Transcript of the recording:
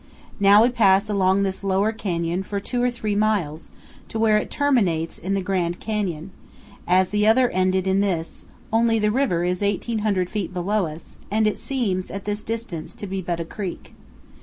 Now we pass along this lower canyon for two or three miles, to where it terminates in the Grand Canyon, as the other ended in this, only the river is 1,800 feet below us, and it seems at this distance to be but a creek.